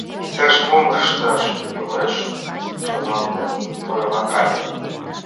— Иктаж-мом ышташ кӱлеш, — шоналтен ойла Алик.